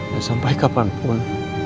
dan sampai kapanpun